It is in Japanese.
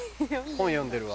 本読んでるわ。